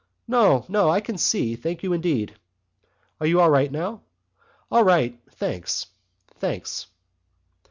"No, no, I can see.... Thank you, indeed." "Are you right now?" "All right, thanks.... Thanks."